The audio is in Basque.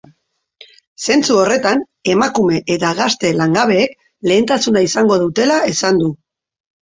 Zentzu horretan, emakume eta gazte langabeek lehentasuna izango dutela esan du.